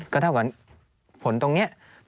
ก็เท่ากับผลตรงนี้